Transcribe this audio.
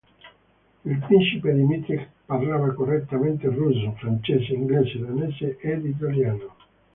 Il principe Dimitrij parlava correntemente russo, francese, inglese, danese ed italiano.